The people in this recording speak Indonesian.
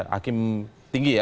hakim tinggi ya